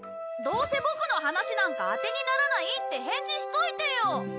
どうせボクの話なんか当てにならないって返事しといてよ。